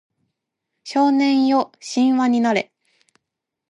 少年よ神話になれ